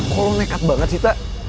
kok nekat banget sih tak